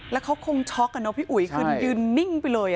แล้วเขาคงช็อกอะเนาะพี่อุ๋ยคือยืนนิ่งไปเลย